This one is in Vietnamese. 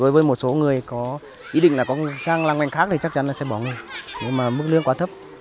với một số người có ý định là có sang làng ngành khác thì chắc chắn là sẽ bỏ nghề nhưng mà mức lương quá thấp